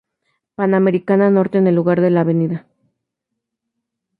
Panamericana Norte en lugar de la Av.